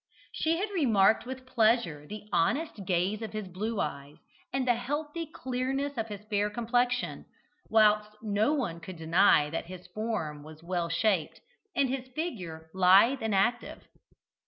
She had remarked with pleasure the honest gaze of his blue eyes, and the healthy clearness of his fair complexion, whilst no one could deny that his form was well shaped, and his figure lithe and active.